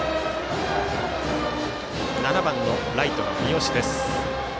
７番のライト、三好です。